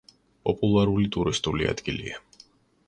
პოპულარული ტურისტული ადგილია.